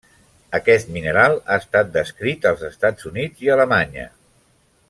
Aquest mineral ha estat descrit als Estats Units i a Alemanya.